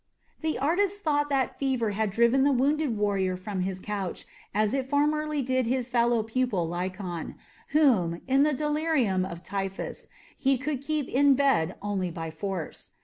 The artist thought that fever had driven the wounded warrior from his couch, as it formerly did his fellow pupil Lycon, whom, in the delirium of typhus, he could keep in bed only by force.